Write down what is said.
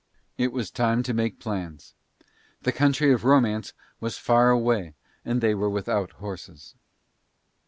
It was a time to make plans. The country of romance was far away and they were without horses.